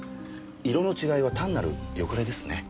色の違いは単なる汚れですね。